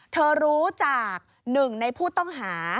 เธอรู้จากหนึ่งในผู้ต้องหา